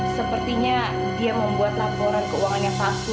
sepertinya dia membuat laporan keuangan yang palsu